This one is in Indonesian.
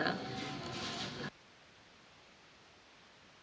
dan bagi sebagai pemberi disangkakan melanggar